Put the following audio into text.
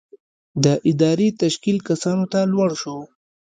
د ادارې تشکیل کسانو ته لوړ شو.